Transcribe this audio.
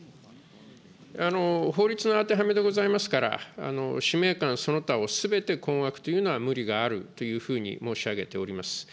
法律の当てはめでございますから、使命感その他をすべて困惑というのは無理があるというふうに申し上げております。